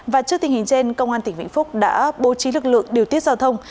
và trước tình hình trên công an tỉnh vĩnh phúc đã bố trí lực lượng điều tiết giao thông